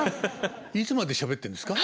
いつまでしゃべってるんですか。